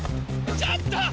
ちょっと！